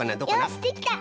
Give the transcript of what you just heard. よしできた！